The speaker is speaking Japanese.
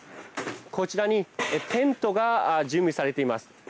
こちらにテントが準備されています。